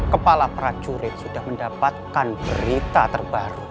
kepala prajurit sudah mendapatkan berita terbaru